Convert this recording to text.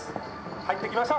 入ってきました。